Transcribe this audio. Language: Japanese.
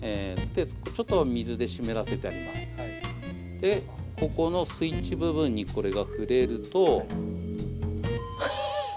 でここのスイッチ部分にこれが触れると。